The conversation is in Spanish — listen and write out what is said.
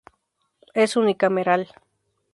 Es unicameral.